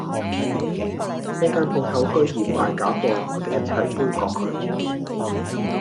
呢間舖頭居然賣假貨我哋一齊杯葛佢